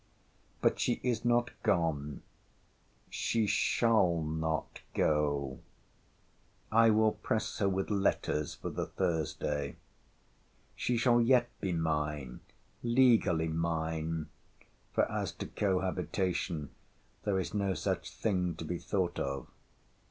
But she is not gone. She shall not go. I will press her with letters for the Thursday. She shall yet be mine, legally mine. For, as to cohabitation, there is no such thing to be thought of.